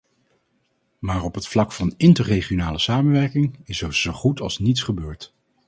Maar op het vlak van interregionale samenwerking is er zo goed als niets gebeurd.